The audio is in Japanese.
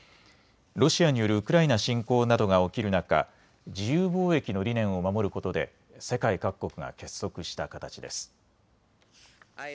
ロシアによるウクライナ侵攻などが起きる中、自由貿易の理念を守ることで世界各国が結束した形です。